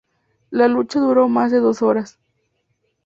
La lucha duró más de dos horas.